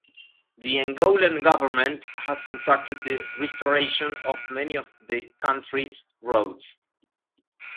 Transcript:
The Angolan government has contracted the restoration of many of the country's roads.